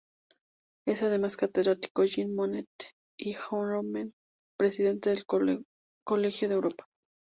Es además Catedrático Jean Monnet Ad Honorem y Presidente del Colegio de Europa.